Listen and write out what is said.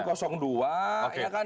kemudian dua ya kan